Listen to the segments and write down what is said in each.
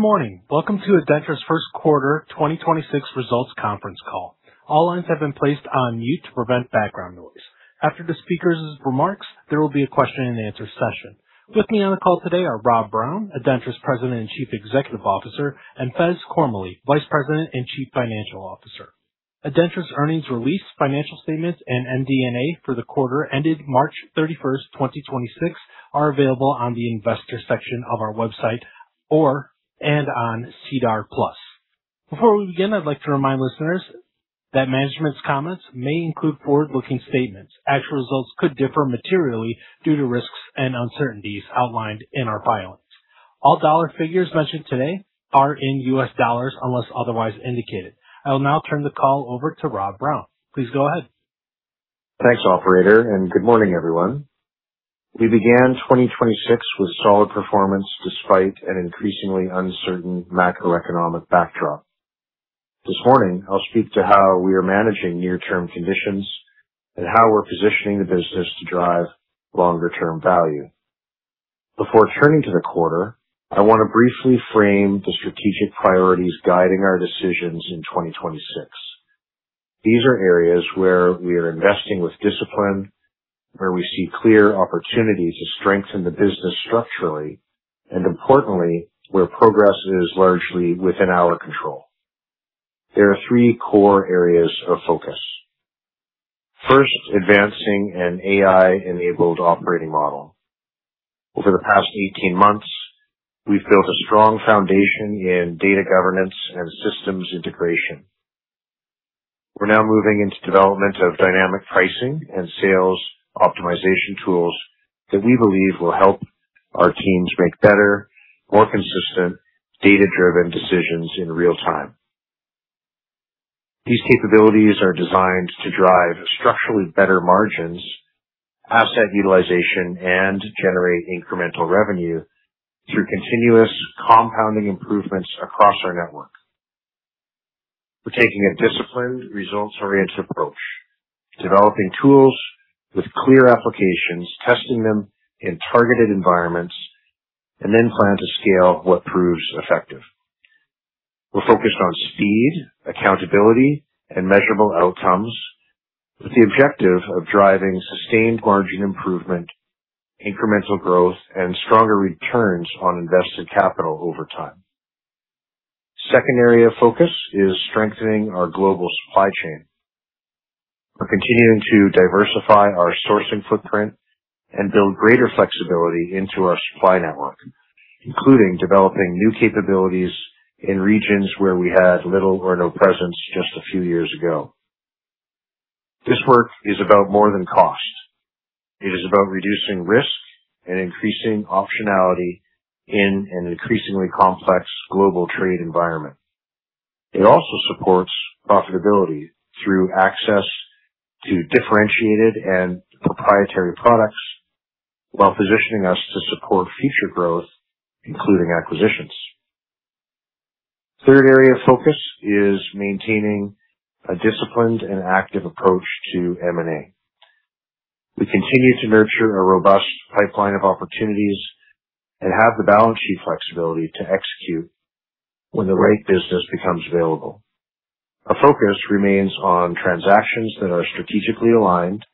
Good morning. Welcome to ADENTRA's First Quarter 2026 Results Conference Call. All lines have been placed on mute to prevent background noise. After the speakers' remarks, there will be a question and answer session. With me on the call today are Rob Brown, ADENTRA's President and Chief Executive Officer, and Faiz Karmally, Vice President and Chief Financial Officer. ADENTRA's earnings release, financial statements, and MD&A for the quarter ended March 31st, 2026 are available on the investor section of our website and on SEDAR+. Before we begin, I'd like to remind listeners that management's comments may include forward-looking statements. Actual results could differ materially due to risks and uncertainties outlined in our filings. All dollar figures mentioned today are in U.S. dollars unless otherwise indicated. I will now turn the call over to Rob Brown. Please go ahead. Thanks, operator, and good morning, everyone. We began 2026 with solid performance despite an increasingly uncertain macroeconomic backdrop. This morning, I'll speak to how we are managing near-term conditions and how we're positioning the business to drive longer-term value. Before turning to the quarter, I want to briefly frame the strategic priorities guiding our decisions in 2026. These are areas where we are investing with discipline, where we see clear opportunities to strengthen the business structurally, and importantly, where progress is largely within our control. There are three core areas of focus. First, advancing an AI-enabled operating model. Over the past 18 months, we've built a strong foundation in data governance and systems integration. We're now moving into development of dynamic pricing and sales optimization tools that we believe will help our teams make better, more consistent data-driven decisions in real time. These capabilities are designed to drive structurally better margins, asset utilization, and generate incremental revenue through continuous compounding improvements across our network. We're taking a disciplined, results-oriented approach, developing tools with clear applications, testing them in targeted environments, and then plan to scale what proves effective. We're focused on speed, accountability, and measurable outcomes with the objective of driving sustained margin improvement, incremental growth, and stronger returns on invested capital over time. Second area of focus is strengthening our global supply chain. We're continuing to diversify our sourcing footprint and build greater flexibility into our supply network, including developing new capabilities in regions where we had little or no presence just a few years ago. This work is about more than cost. It is about reducing risk and increasing optionality in an increasingly complex global trade environment. It also supports profitability through access to differentiated and proprietary products while positioning us to support future growth, including acquisitions. Third area of focus is maintaining a disciplined and active approach to M&A. We continue to nurture a robust pipeline of opportunities and have the balance sheet flexibility to execute when the right business becomes available. Our focus remains on transactions that are strategically aligned,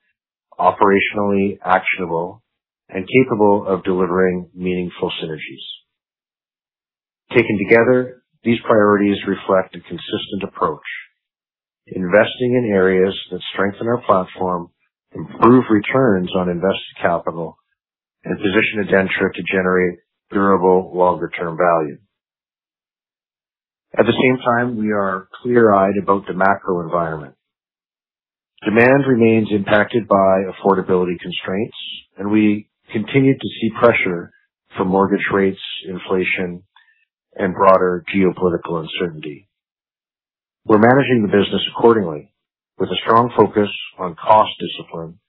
operationally actionable, and capable of delivering meaningful synergies. Taken together, these priorities reflect a consistent approach: investing in areas that strengthen our platform, improve returns on invested capital, and position ADENTRA to generate durable longer-term value. At the same time, we are clear-eyed about the macro environment. Demand remains impacted by affordability constraints, and we continue to see pressure from mortgage rates, inflation, and broader geopolitical uncertainty. We're managing the business accordingly with a strong focus on cost discipline,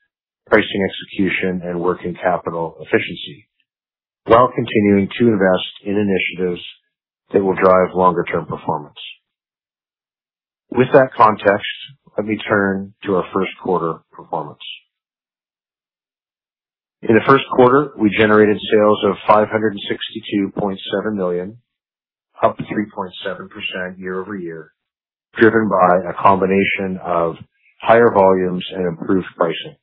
pricing execution, and working capital efficiency while continuing to invest in initiatives that will drive longer-term performance. With that context, let me turn to our first quarter performance. In the first quarter, we generated sales of $562.7 million, up 3.7% year-over-year, driven by a combination of higher volumes and improved pricing.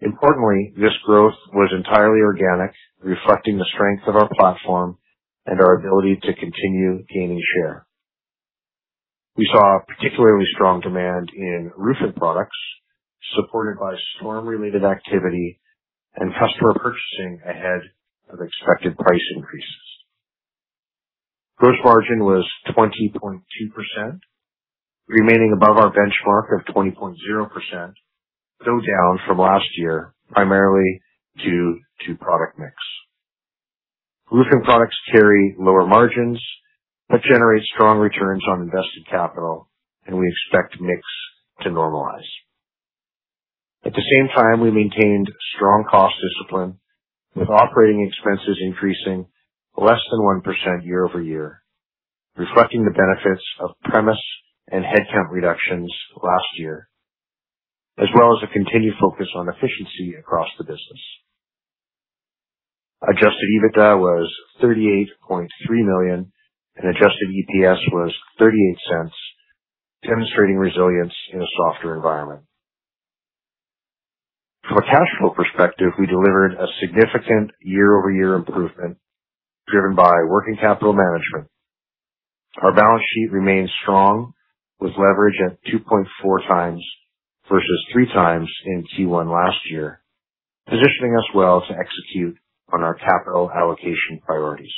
Importantly, this growth was entirely organic, reflecting the strength of our platform and our ability to continue gaining share. We saw particularly strong demand in roofing products, supported by storm-related activity and customer purchasing ahead of expected price increases. Gross margin was 20.2%, remaining above our benchmark of 20.0%, though down from last year, primarily due to product mix. Roofing products carry lower margins but generate strong returns on invested capital. We expect mix to normalize. At the same time, we maintained strong cost discipline, with operating expenses increasing less than 1% year-over-year, reflecting the benefits of premise and headcount reductions last year, as well as a continued focus on efficiency across the business. Adjusted EBITDA was $38.3 million, and Adjusted EPS was $0.38, demonstrating resilience in a softer environment. From a cash flow perspective, we delivered a significant year-over-year improvement driven by working capital management. Our balance sheet remains strong, with leverage at 2.4x versus 3x in Q1 last year, positioning us well to execute on our capital allocation priorities.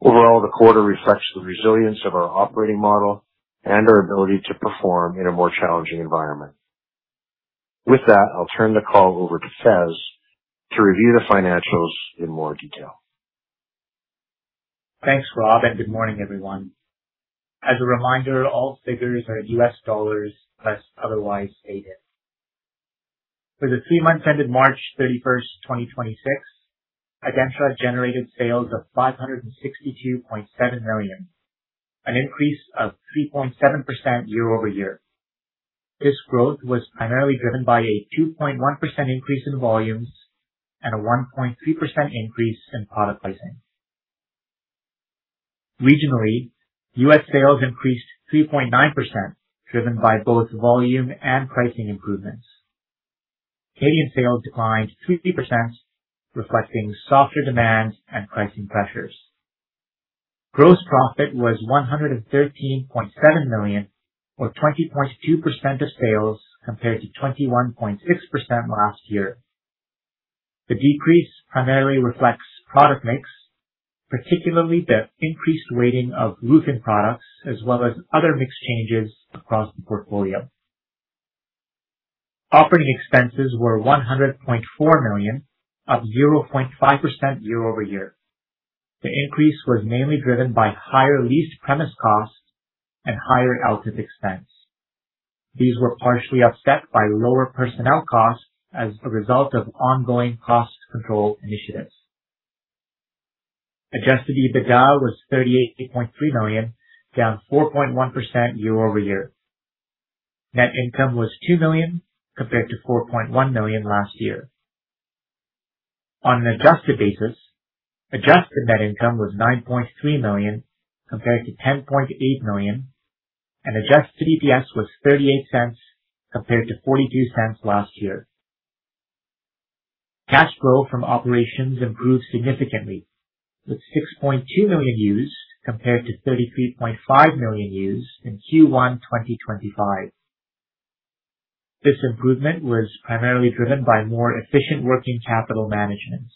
Overall, the quarter reflects the resilience of our operating model and our ability to perform in a more challenging environment. With that, I'll turn the call over to Faiz to review the financials in more detail. Thanks, Rob, and good morning, everyone. As a reminder, all figures are in US dollars unless otherwise stated. For the 3 months ended March 31st, 2026, ADENTRA generated sales of $562.7 million, an increase of 3.7% year-over-year. This growth was primarily driven by a 2.1% increase in volumes and a 1.3% increase in product pricing. Regionally, U.S. sales increased 3.9%, driven by both volume and pricing improvements. Canadian sales declined 2%, reflecting softer demand and pricing pressures. Gross profit was $113.7 million, or 20.2% of sales, compared to 21.6% last year. The decrease primarily reflects product mix, particularly the increased weighting of roofing products as well as other mix changes across the portfolio. Operating expenses were $100.4 million, up 0.5% year-over-year. The increase was mainly driven by higher lease premise costs and higher outage expense. These were partially offset by lower personnel costs as a result of ongoing cost control initiatives. Adjusted EBITDA was $38.3 million, down 4.1% year-over-year. Net income was $2 million compared to $4.1 million last year. On an adjusted basis, adjusted net income was $9.3 million compared to $10.8 million, and Adjusted EPS was $0.38 compared to $0.42 last year. Cash flow from operations improved significantly, with $6.2 million used compared to $33.5 million used in Q1 2025. This improvement was primarily driven by more efficient working capital management.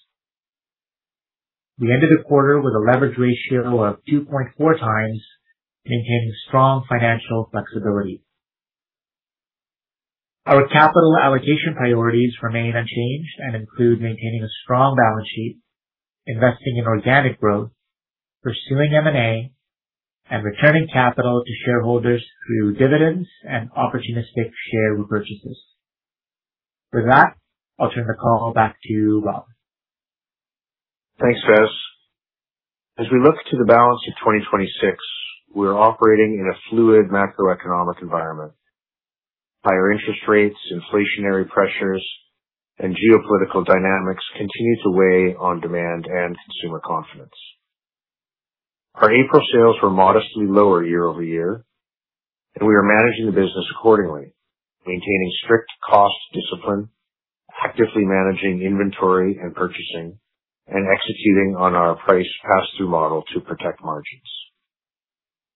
We ended the quarter with a leverage ratio of 2.4x, maintaining strong financial flexibility. Our capital allocation priorities remain unchanged and include maintaining a strong balance sheet, investing in organic growth, pursuing M&A, and returning capital to shareholders through dividends and opportunistic share repurchases. With that, I'll turn the call back to Rob. Thanks, Faiz. As we look to the balance of 2026, we are operating in a fluid macroeconomic environment. Higher interest rates, inflationary pressures, and geopolitical dynamics continue to weigh on demand and consumer confidence. Our April sales were modestly lower year-over-year, and we are managing the business accordingly, maintaining strict cost discipline, actively managing inventory and purchasing, and executing on our price pass-through model to protect margins.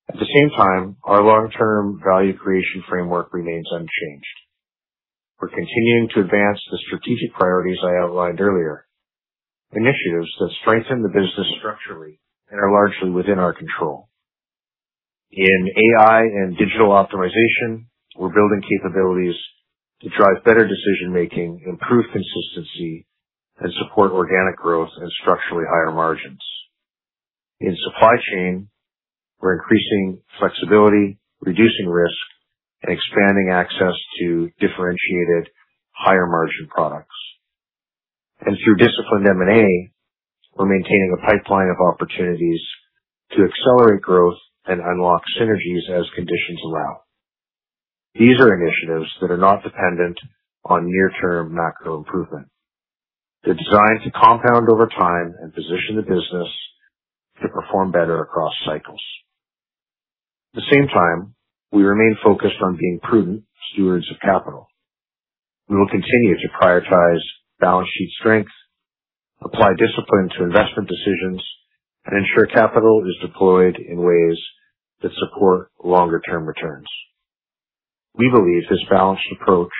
At the same time, our long-term value creation framework remains unchanged. We're continuing to advance the strategic priorities I outlined earlier, initiatives that strengthen the business structurally and are largely within our control. In AI and digital optimization, we're building capabilities to drive better decision-making, improve consistency, and support organic growth and structurally higher margins. In supply chain, we're increasing flexibility, reducing risk, and expanding access to differentiated higher-margin products. Through disciplined M&A, we're maintaining a pipeline of opportunities to accelerate growth and unlock synergies as conditions allow. These are initiatives that are not dependent on near-term macro improvement. They're designed to compound over time and position the business to perform better across cycles. At the same time, we remain focused on being prudent stewards of capital. We will continue to prioritize balance sheet strength, apply discipline to investment decisions, and ensure capital is deployed in ways that support longer-term returns. We believe this balanced approach,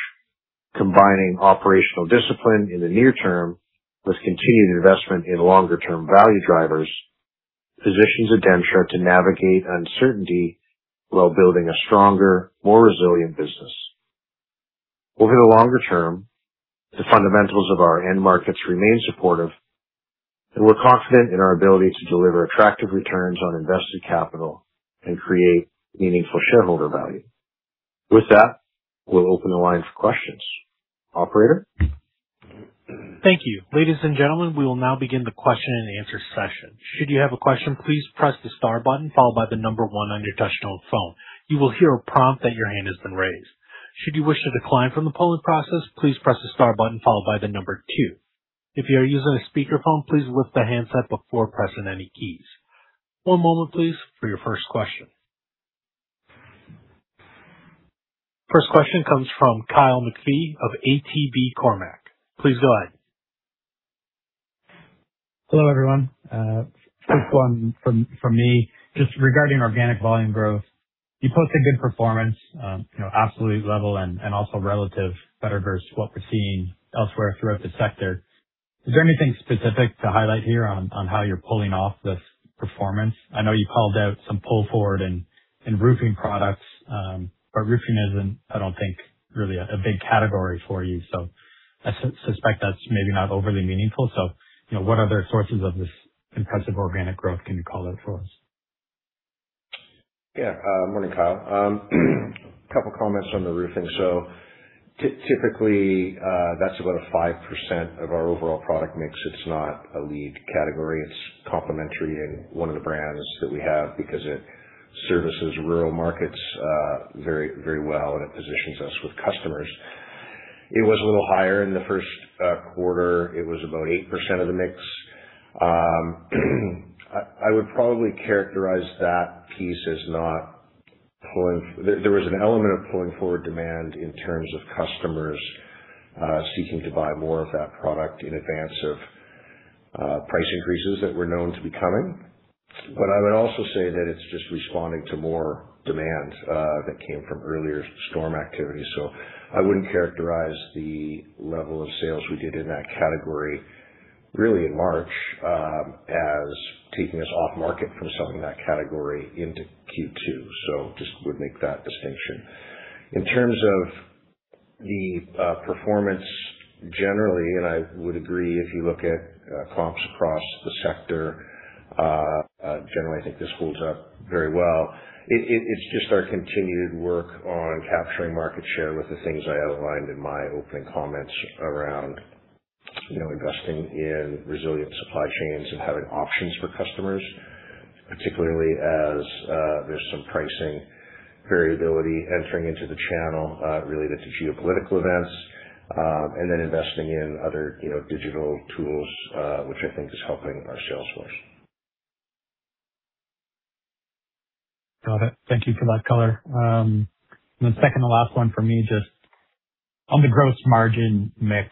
combining operational discipline in the near term with continued investment in longer-term value drivers, positions ADENTRA to navigate uncertainty while building a stronger, more resilient business. Over the longer term, the fundamentals of our end markets remain supportive, and we're confident in our ability to deliver attractive returns on invested capital and create meaningful shareholder value. With that, we'll open the line for questions. Operator? Thank you. Ladies and gentlemen, we will now begin the question and answer session. Should you have a question, please press the star button followed by the number one on your touch-tone phone. You will hear a prompt that your hand has been raised. Should you wish to decline from the polling process, please press the star button followed by the number two. If you are using a speakerphone, please lift the handset before pressing any keys. One moment please, for your first question. First question comes from Kyle McPhee of ATB Cormark. Please go ahead. Hello, everyone. quick one from me. Just regarding organic volume growth, you posted good performance, you know, absolute level and also relative better versus what we're seeing elsewhere throughout the sector. Is there anything specific to highlight here on how you're pulling off this performance? I know you called out some pull forward in roofing products, but roofing isn't, I don't think, really a big category for you, so I suspect that's maybe not overly meaningful. You know, what other sources of this impressive organic growth can you call out for us? Morning, Kyle. Couple comments on the roofing. Typically, that's about a 5% of our overall product mix. It's not a lead category. It's complementary in one of the brands that we have because it services rural markets very, very well, and it positions us with customers. It was a little higher in the first quarter. It was about 8% of the mix. I would probably characterize that piece as not pulling there was an element of pulling forward demand in terms of customers seeking to buy more of that product in advance of price increases that were known to be coming. I would also say that it's just responding to more demand that came from earlier storm activity. I wouldn't characterize the level of sales we did in that category really in March as taking us off market from selling that category into Q2. Just would make that distinction. In terms of the performance generally, and I would agree, if you look at comps across the sector generally, I think this holds up very well. It's just our continued work on capturing market share with the things I outlined in my opening comments around, you know, investing in resilient supply chains and having options for customers, particularly as there's some pricing variability entering into the channel related to geopolitical events, and then investing in other, you know, digital tools, which I think is helping our sales force. Got it. Thank you for that color. Second to last one for me, just on the gross margin mix,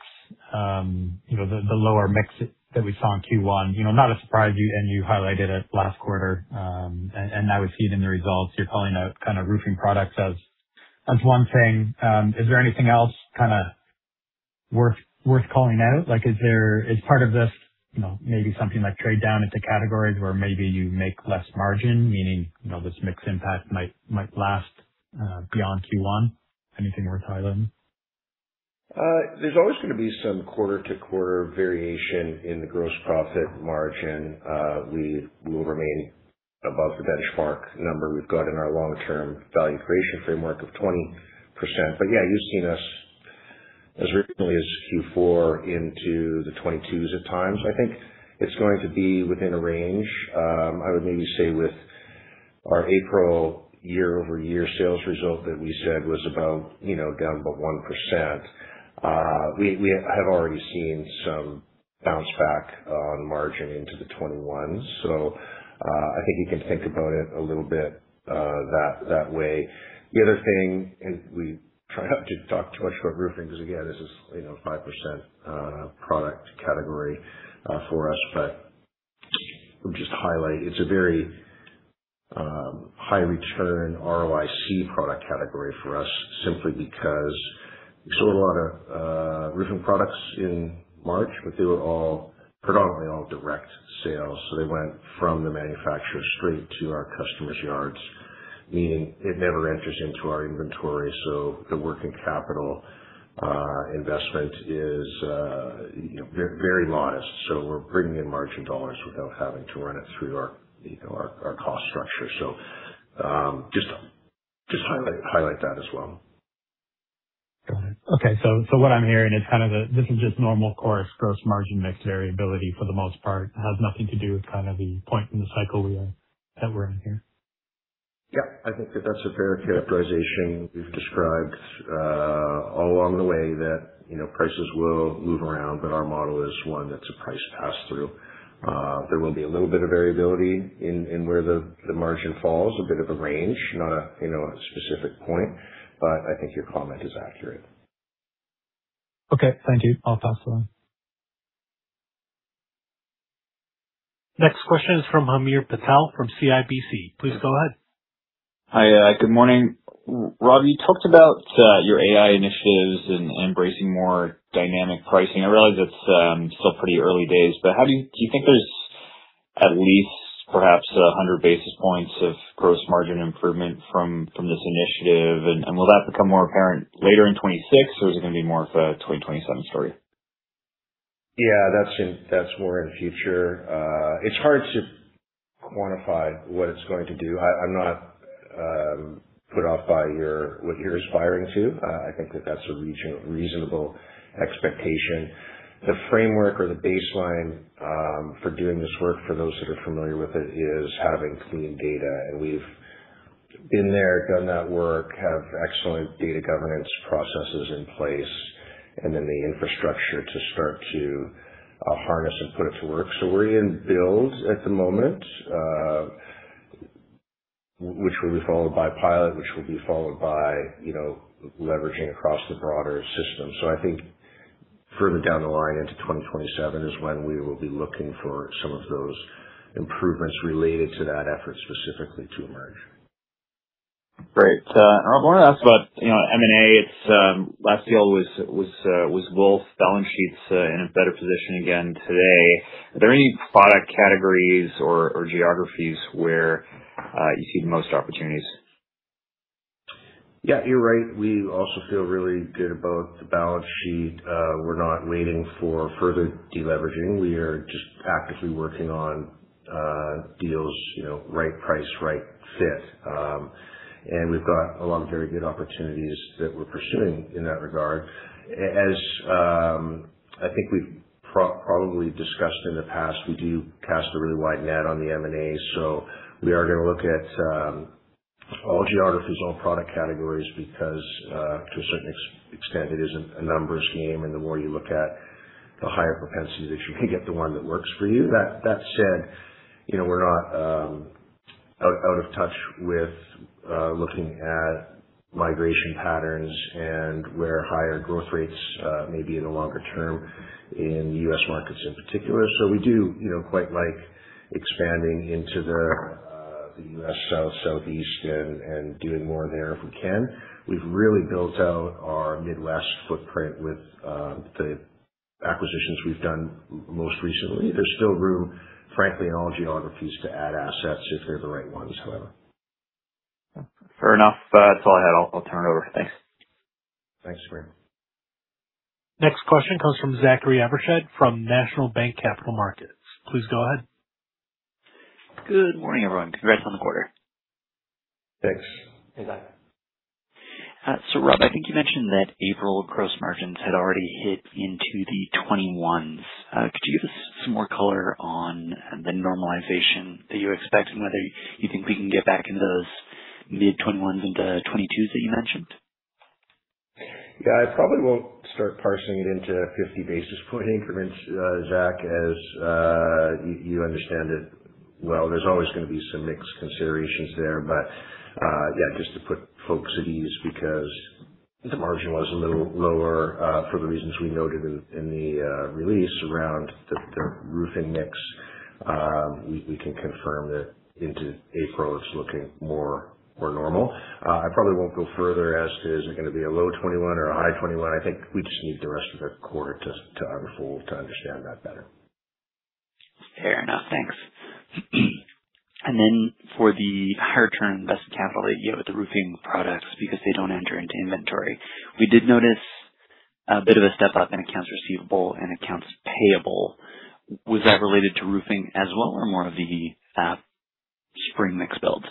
you know, the lower mix that we saw in Q1, you know, not a surprise, and you highlighted it last quarter. I would see it in the results. You're calling out kind of roofing products as one thing. Is there anything else kinda worth calling out? Like, is part of this, you know, maybe something like trade down into categories where maybe you make less margin, meaning, you know, this mix impact might last beyond Q1? Anything worth highlighting? There's always gonna be some quarter-to-quarter variation in the gross profit margin. We will remain above the benchmark number we've got in our long-term value creation framework of 20%. Yeah, you've seen us as recently as Q4 into the 22s at times. I think it's going to be within a range. I would maybe say with our April year-over-year sales result that we said was about, you know, down about 1%, we have already seen some bounce back on margin into the 21s. I think you can think about it a little bit, that way. The other thing, we try not to talk too much about roofing because again, this is, you know, 5%, product category, for us. Would just highlight it's a very high return ROIC product category for us simply because we sold a lot of roofing products in March, they were all predominantly all direct sales, so they went from the manufacturer straight to our customers' yards, meaning it never enters into our inventory. The working capital investment is, you know, very modest. We're bringing in margin dollars without having to run it through our, you know, our cost structure. Just highlight that as well. Got it. Okay. What I'm hearing is this is just normal course gross margin mix variability for the most part. Has nothing to do with the point in the cycle that we're in here. I think that that's a fair characterization. We've described all along the way that, you know, prices will move around, but our model is one that's a price pass-through. There will be a little bit of variability in where the margin falls, a bit of a range, not a, you know, a specific point, but I think your comment is accurate. Okay. Thank you. I'll pass along. Next question is from Hamir Patel from CIBC. Please go ahead. Hi. Good morning. Rob, you talked about your AI initiatives and embracing more dynamic pricing. I realize it's still pretty early days, but how do you think there's at least perhaps 100 basis points of gross margin improvement from this initiative? And will that become more apparent later in 2026, or is it going to be more of a 2027 story? Yeah, that's more in the future. It's hard to quantify what it's going to do. I'm not put off by what you're aspiring to. I think that that's a reasonable expectation. The framework or the baseline for doing this work, for those that are familiar with it, is having clean data. We've been there, done that work, have excellent data governance processes in place, and then the infrastructure to start to harness and put it to work. We're in build at the moment, which will be followed by pilot, which will be followed by, you know, leveraging across the broader system. I think further down the line into 2027 is when we will be looking for some of those improvements related to that effort specifically to emerge. Great. I wanna ask about, you know, M&A. It's, last deal was Woolf. Balance sheet's in a better position again today. Are there any product categories or geographies where, you see the most opportunities? Yeah, you're right. We also feel really good about the balance sheet. We're not waiting for further deleveraging. We are just actively working on deals, you know, right price, right fit. We've got a lot of very good opportunities that we're pursuing in that regard. As I think we've probably discussed in the past, we do cast a really wide net on the M&A. We are gonna look at all geographies, all product categories because to a certain extent, it is a numbers game, and the more you look at, the higher propensity that you can get the one that works for you. That said, you know, we're not out of touch with looking at migration patterns and where higher growth rates may be in the longer term in U.S. markets in particular. We do, you know, quite like expanding into the U.S. South, Southeast and doing more there if we can. We've really built out our Midwest footprint with the acquisitions we've done most recently. There's still room, frankly, in all geographies to add assets if they're the right ones, however. Fair enough. That's all I had. I'll turn it over. Thanks. Thanks, Hamir. Next question comes from Zachary Evershed from National Bank Capital Markets. Please go ahead. Good morning, everyone. Congrats on the quarter. Thanks. Hey, Zach. Rob, I think you mentioned that April gross margins had already hit into the 21s. Could you give us some more color on the normalization that you expect and whether you think we can get back into those mid 21s and the 22s that you mentioned? Yeah. I probably won't start parsing it into 50 basis point increments, Zach, as you understand it well. There's always gonna be some mixed considerations there. Yeah, just to put folks at ease because the margin was a little lower, for the reasons we noted in the release around the roofing mix. We can confirm that into April, it's looking more normal. I probably won't go further as to is it gonna be a low 21 or a high 21. I think we just need the rest of the quarter to unfold to understand that better. Fair enough. Thanks. For the higher return invested capital that you have with the roofing products because they don't enter into inventory, we did notice a bit of a step up in accounts receivable and accounts payable. Was that related to roofing as well or more of the spring mix build?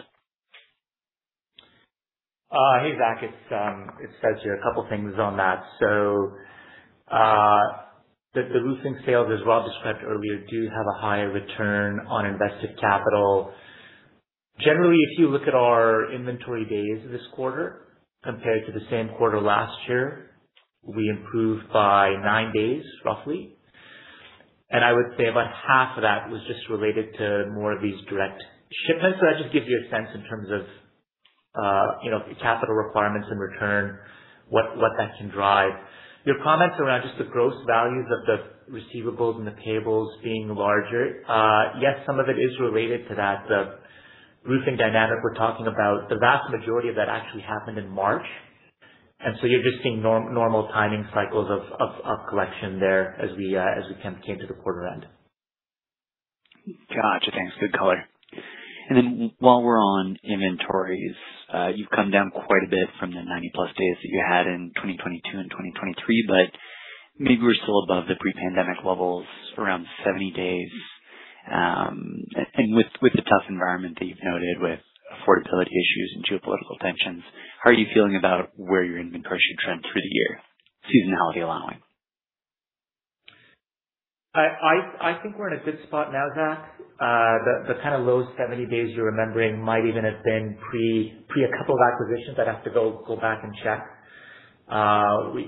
Hey, Zach. It's Faiz here. A couple things on that. The roofing sales, as Rob described earlier, do have a higher return on invested capital. Generally, if you look at our inventory days this quarter compared to the same quarter last year, we improved by nine days, roughly. I would say about half of that was just related to more of these direct shipments. That just gives you a sense in terms of, you know, capital requirements and return, what that can drive. Your comments around just the gross values of the receivables and the payables being larger, yes, some of it is related to that, the roofing dynamic we're talking about. The vast majority of that actually happened in March, and so you're just seeing normal timing cycles of collection there as we kind of came to the quarter end. Gotcha. Thanks. Good color. While we're on inventories, you've come down quite a bit from the 90-plus days that you had in 2022 and 2023, but maybe we're still above the pre-pandemic levels around 70 days. And with the tough environment that you've noted with affordability issues and geopolitical tensions, how are you feeling about where you're in the inventory trend for the year, seasonality allowing? I think we're in a good spot now, Zach. The kind of low 70 days you're remembering might even have been pre a couple of acquisitions. I'd have to go back and check.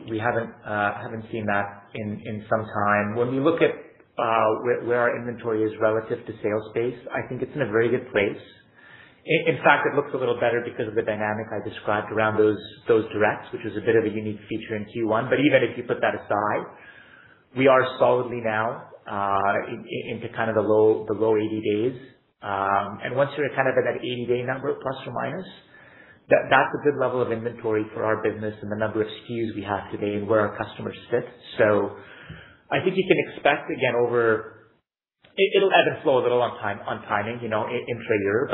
We haven't seen that in some time. When we look at where our inventory is relative to sales space, I think it's in a very good place. In fact, it looks a little better because of the dynamic I described around those directs, which was a bit of a unique feature in Q1. Even if you put that aside, we are solidly now into kind of the low 80 days. Once you're kind of at that 80-day number±, that's a good level of inventory for our business and the number of SKUs we have today and where our customers sit. I think you can expect again over it'll ebb and flow a little on time, on timing, you know, intra-year.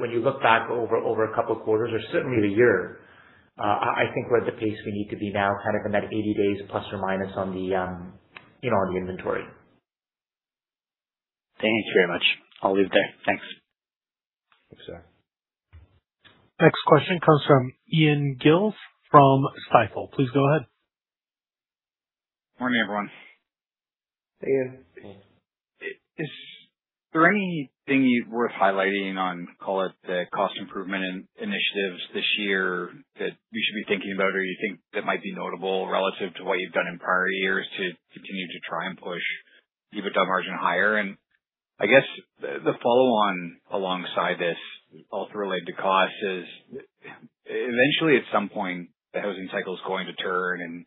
When you look back over a couple quarters or certainly the year, I think we're at the pace we need to be now, kind of in that 80 days± on the, you know, on the inventory. Thank you very much. I'll leave it there. Thanks. Thanks, sir. Next question comes from Ian Gillies from Stifel. Please go ahead. Morning, everyone. Hey, Ian. Hey. Is there anything worth highlighting on, call it, the cost improvement initiatives this year that we should be thinking about or you think that might be notable relative to what you've done in prior years to continue to try and push EBITDA margin higher? I guess the follow on alongside this, also related to cost, is eventually, at some point, the housing cycle is going to turn and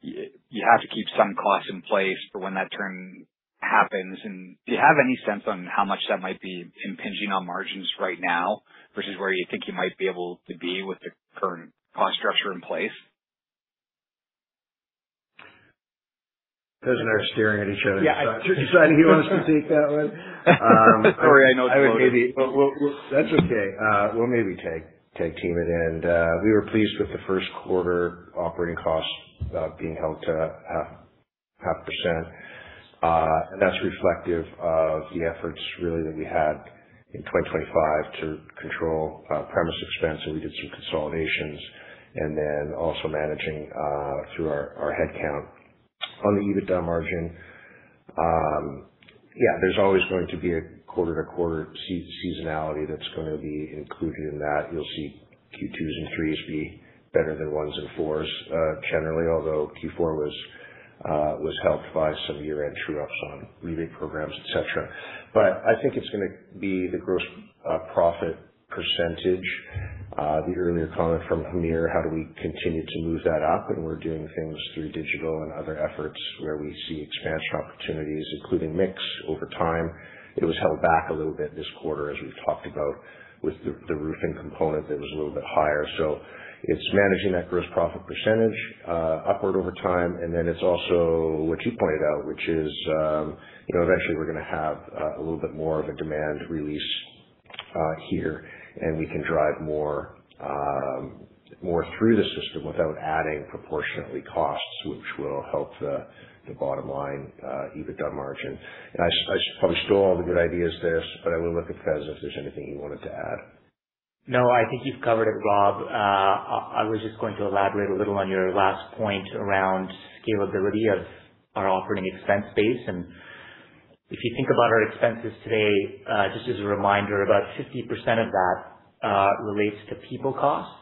you have to keep some costs in place for when that turn happens. Do you have any sense on how much that might be impinging on margins right now versus where you think you might be able to be with the current cost structure in place? Faiz and I are staring at each other, deciding who wants to take that one. Sorry, I know it's loaded. That's okay. We'll maybe tag team it. We were pleased with the first quarter operating costs, being held to half a percent. That's reflective of the efforts really that we had in 2025 to control premise expense, so we did some consolidations and then also managing through our headcount. On the EBITDA margin, yeah, there's always going to be a quarter-to-quarter seasonality that's gonna be included in that. You'll see Q2s and Q3s be better than Q1s and Q4s generally, although Q4 was helped by some year-end true ups on rebate programs, et cetera. I think it's gonna be the gross profit percentage. The earlier comment from Hamir, how do we continue to move that up? We're doing things through digital and other efforts where we see expansion opportunities, including mix over time. It was held back a little bit this quarter, as we've talked about, with the roofing component that was a little bit higher. It's managing that gross profit percentage upward over time. It's also what you pointed out, which is, you know, eventually we're gonna have a little bit more of a demand release here, and we can drive more more through the system without adding proportionately costs, which will help the bottom line EBITDA margin. I probably stole all the good ideas there, but I will look at Faiz if there's anything you wanted to add. No, I think you've covered it, Rob. I was just going to elaborate a little on your last point around scalability of our operating expense base. If you think about our expenses today, just as a reminder, about 50% of that relates to people costs.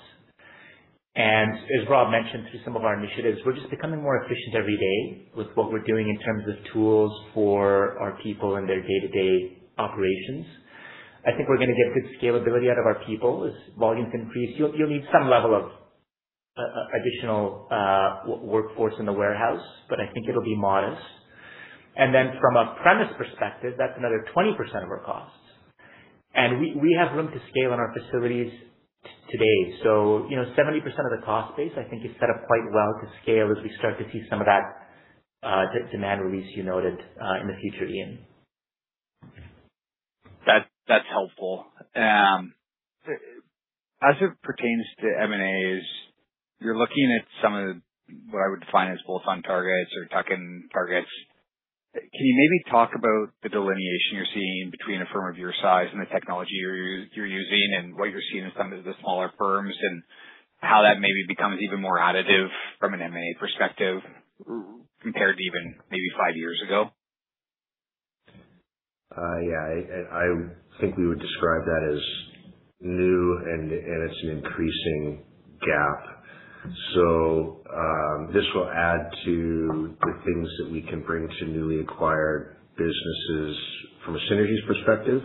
As Rob mentioned, through some of our initiatives, we're just becoming more efficient every day with what we're doing in terms of tools for our people and their day-to-day operations. I think we're gonna get good scalability out of our people. As volumes increase, you'll need some level of additional workforce in the warehouse, but I think it'll be modest. From a premise perspective, that's another 20% of our costs. We have room to scale in our facilities today. You know, 70% of the cost base, I think, is set up quite well to scale as we start to see some of that demand release you noted in the future, Ian. That's helpful. As it pertains to M&As, you're looking at some of what I would define as bolt-on targets or tuck-in targets. Can you maybe talk about the delineation you're seeing between a firm of your size and the technology you're using and what you're seeing in some of the smaller firms and how that maybe becomes even more additive from an M&A perspective compared to even maybe five years ago? Yeah. I think we would describe that as new and it's an increasing gap. This will add to the things that we can bring to newly acquired businesses from a synergies perspective.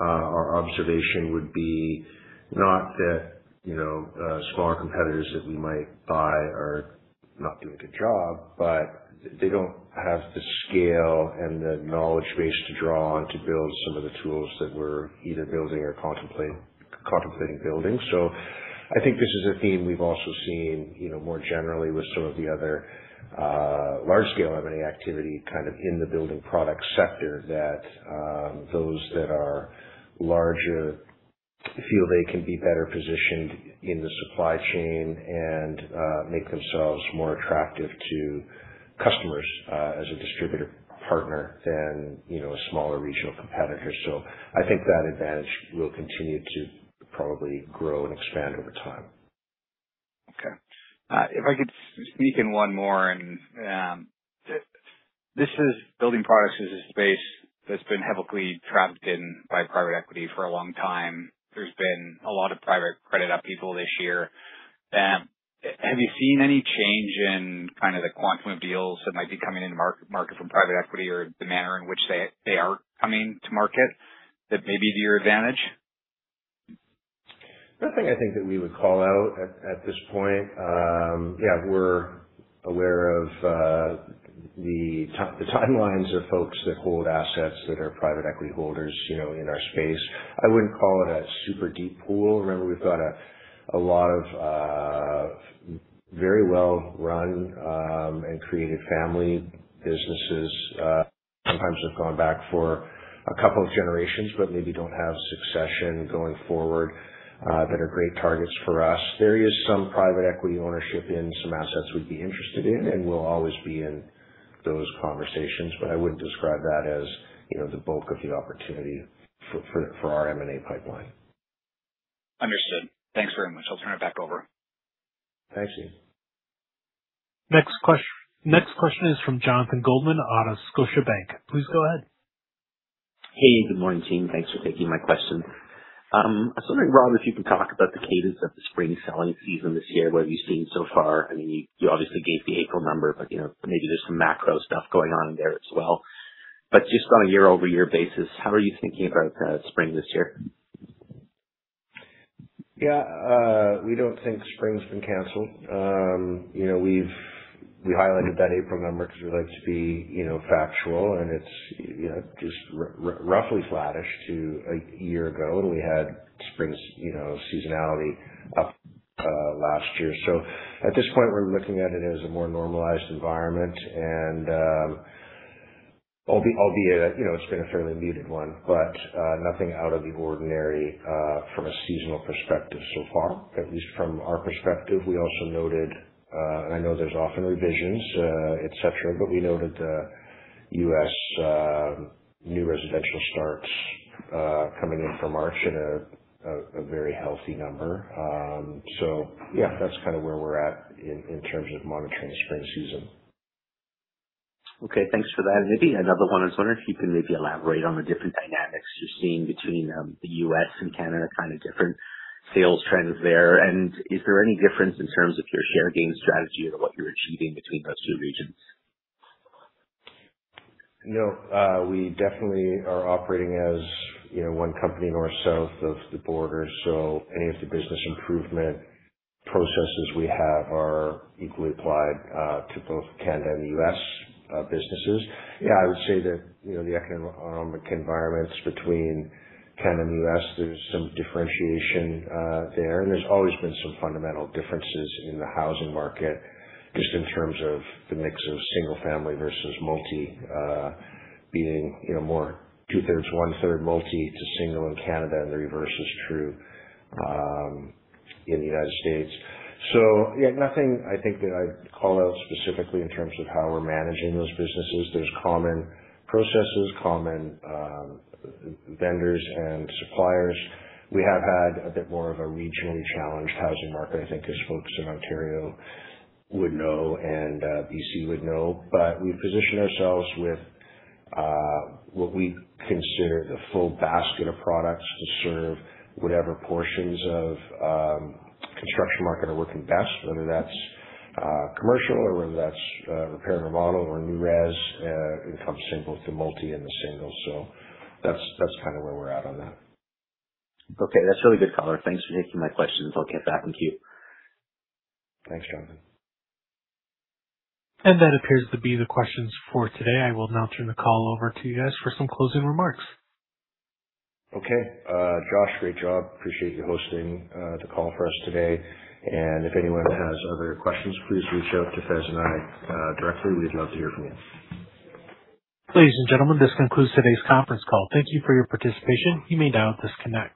Our observation would be not that, you know, smaller competitors that we might buy are not doing a good job, but they don't have the scale and the knowledge base to draw on to build some of the tools that we're either building or contemplating building. I think this is a theme we've also seen, you know, more generally with some of the other, large scale M&A activity kind of in the building product sector that, those that are larger feel they can be better positioned in the supply chain and, make themselves more attractive to customers, as a distributor partner than, you know, a smaller regional competitor. I think that advantage will continue to probably grow and expand over time. Okay. If I could sneak in one more, building products is a space that's been heavily trafficked in by private equity for a long time. There's been a lot of private credit upheaval this year. Have you seen any change in kind of the quantum of deals that might be coming into market from private equity or the manner in which they are coming to market that may be to your advantage? Nothing I think that we would call out at this point. Yeah, we're aware of the timelines of folks that hold assets that are private equity holders, you know, in our space. I wouldn't call it a super deep pool. Remember, we've got a lot of very well-run and creative family businesses. Sometimes they've gone back for a couple of generations, but maybe don't have succession going forward that are great targets for us. There is some private equity ownership in some assets we'd be interested in, and we'll always be in those conversations, but I wouldn't describe that as, you know, the bulk of the opportunity for our M&A pipeline. Understood. Thanks very much. I'll turn it back over. Thank you. Next question is from Jonathan Goldman out of Scotiabank. Please go ahead. Hey, good morning, team. Thanks for taking my question. I was wondering, Rob, if you can talk about the cadence of the spring selling season this year, what have you seen so far? I mean, you obviously gave the April number, but, you know, maybe there's some macro stuff going on in there as well. Just on a year-over-year basis, how are you thinking about spring this year? We don't think spring's been canceled. You know, we've, we highlighted that April number because we like to be, you know, factual, and it's, you know, just roughly flattish to a year ago, and we had spring you know, seasonality up last year. At this point, we're looking at it as a more normalized environment and, albeit, you know, it's been a fairly needed one, but nothing out of the ordinary from a seasonal perspective so far, at least from our perspective. We also noted, and I know there's often revisions, et cetera, but we noted, U.S., new residential starts, coming in for March at a very healthy number. That's kind of where we're at in terms of monitoring the spring season. Okay, thanks for that. Maybe another one. I was wondering if you can maybe elaborate on the different dynamics you're seeing between the U.S. and Canada, kind of different sales trends there. Is there any difference in terms of your share gain strategy and what you're achieving between those two regions? No. We definitely are operating as, you know, one company north, south of the border. Any of the business improvement processes we have are equally applied to both Canada and U.S. businesses. Yeah, I would say that, you know, the economic environments between Canada and the U.S., there's some differentiation there. There's always been some fundamental differences in the housing market just in terms of the mix of single family versus multi, being, you know, more 2/3, 1/3 multi to single in Canada and the reverse is true in the United States. Yeah, nothing I think that I'd call out specifically in terms of how we're managing those businesses. There's common processes, common vendors and suppliers. We have had a bit more of a regionally challenged housing market, I think as folks in Ontario would know and B.C. would know. We position ourselves with what we consider the full basket of products to serve whatever portions of construction market are working best, whether that's commercial or whether that's repair and remodel or new res, income single to multi and the single. That's kind of where we're at on that. Okay, that's really good color. Thanks for taking my questions. I'll kick it back to you. Thanks, Jonathan. That appears to be the questions for today. I will now turn the call over to you guys for some closing remarks. Okay. Josh, great job. Appreciate you hosting the call for us today. If anyone has other questions, please reach out to Faiz and I directly. We'd love to hear from you. Ladies and gentlemen, this concludes today's conference call. Thank you for your participation. You may now disconnect.